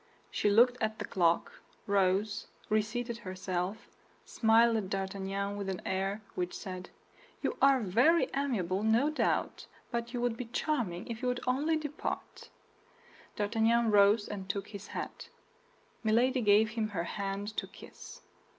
She looked at the clock, rose, reseated herself, smiled at D'Artagnan with an air which said, "You are very amiable, no doubt, but you would be charming if you would only depart." D'Artagnan rose and took his hat; Milady gave him her hand to kiss.